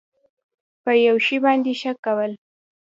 په یو شي باندې شک کول